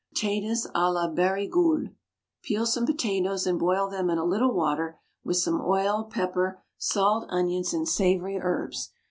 POTATOES A LA BARIGOULE. Peel some potatoes and boil them in a little water with some oil, pepper, salt, onions, and savoury herbs.